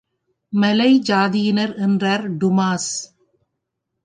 மலை ஜாதியினர் என்றார் டுமாஸ்.